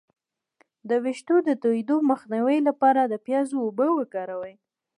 د ویښتو د تویدو مخنیوي لپاره د پیاز اوبه وکاروئ